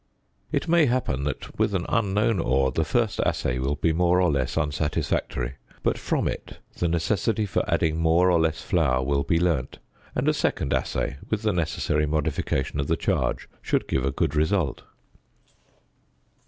It may happen that with an unknown ore the first assay will be more or less unsatisfactory: but from it the necessity for adding more or less flour will be learnt, and a second assay, with the necessary modification of the charge, should give a good result.